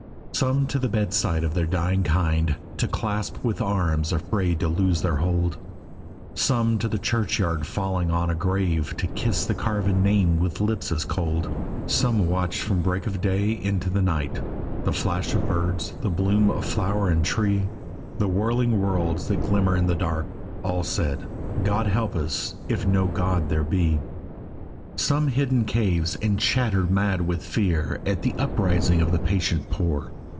Some to the bed side of their dying kind To clasp with arms afraid to loose their hold; Some to a church yard falling on a grave To kiss the carven name with lips as cold. Some watched from break of day into the night. The flash of birds, the bloom of flower and tree, The whirling worlds that glimmer in the dark, All said: "God help us if no God there be." Some hid in caves and chattered mad with fear At the uprising of the patient poor.